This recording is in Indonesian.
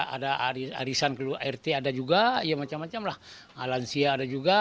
ada arisan rt ada juga alansia ada juga